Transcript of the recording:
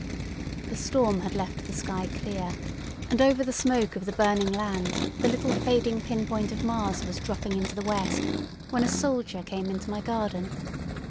The storm had left the sky clear, and over the smoke of the burning land the little fading pinpoint of Mars was dropping into the west, when a soldier came into my garden.